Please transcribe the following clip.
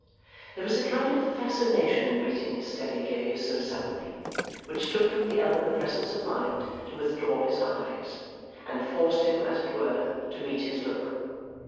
There was a kind of fascination in meeting his steady gaze so suddenly, which took from the other the presence of mind to withdraw his eyes, and forced him, as it were, to meet his look.